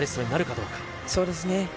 そうですね。